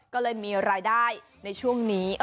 ก็เลยมีรายได้ในช่วงนี้